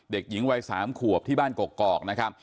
เด็กหญิงวัย๓ขวบที่บ้านกอกนะครับ